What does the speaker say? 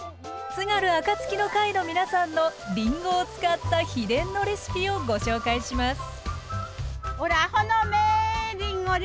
津軽あかつきの会の皆さんのりんごを使った秘伝のレシピをご紹介します